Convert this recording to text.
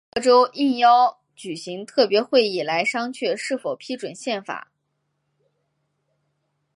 各州应邀举行特别会议来商榷是否批准宪法。